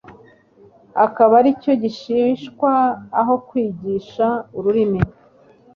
akaba ariyo yigishwa aho kwigisha ururimi